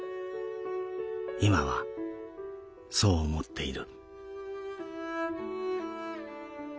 いまはそう思っている」。